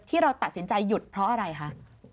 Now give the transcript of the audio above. ที่เราตัดสินใจหยุดเพราะอะไรคะ